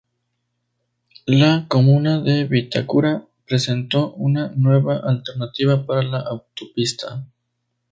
La comuna de Vitacura presentó una nueva alternativa para la Autopista.